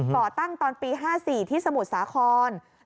ก่อตั้งตอนปี๕๔ที่สมุทรสาคร